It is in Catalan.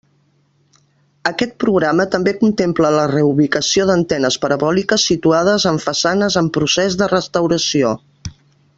Aquest programa també contempla la reubicació d'antenes parabòliques situades en façanes en procés de restauració.